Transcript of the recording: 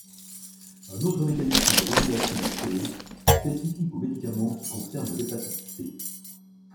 Un autre mécanisme de régulation est créé, spécifique aux médicaments qui concernent l’hépatite C.